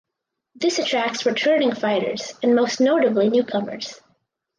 This attracts returning fighters and most notably newcomers.